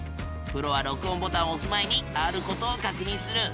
プロは録音ボタンをおす前にあることを確認する。